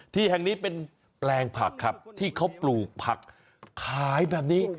ที่แห่งนี้เป็นแปลงผักครับที่เขาปลูกผักขายแบบนี้